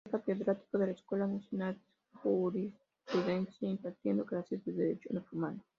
Fue catedrático de la Escuela Nacional de Jurisprudencia impartiendo clase de Derecho Romano.